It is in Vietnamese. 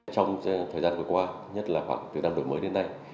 trong thời gian vừa qua nhất là khoảng từ năm đổi mới đến nay